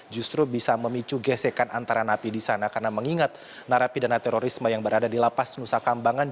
justru bisa memicu gesekan antara napi di sana karena mengingat narapidana terorisme yang berada di lapas nusa kambangan